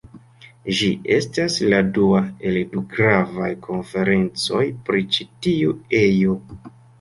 Ĝi estas la dua el du gravaj konferencoj pri ĉi tiu ejo.